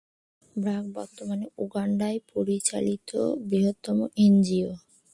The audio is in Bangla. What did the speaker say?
ব্র্যাক বর্তমানে উগান্ডায় পরিচালিত বৃহত্তম এনজিও।